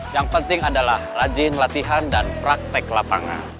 yang penting adalah rajin latihan dan praktek lapangan